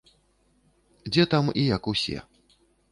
Дзе там і як усё.